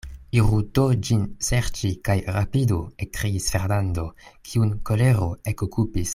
Iru do ĝin serĉi, kaj rapidu, ekkriis Fernando, kiun kolero ekokupis.